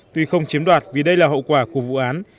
tuy không chiếm đoạt vì đây là hậu quả của vụ án